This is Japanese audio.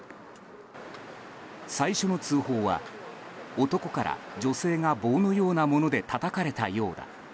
最初の通報は男から、女性が棒のようなものでたたかれたようだ。